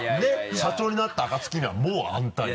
社長になった暁にはもう安泰よ。